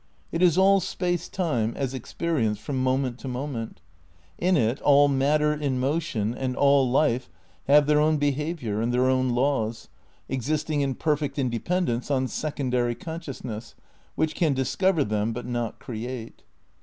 It is all Space Time as experienced from moment to moment. In it all matter in motion and aU life have their own behaviour and their own laws, existing in perfect independence on secondary consciousness which can discover them but not create.